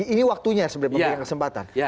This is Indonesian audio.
ini waktunya sebenarnya